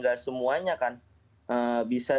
gak semuanya kan bisa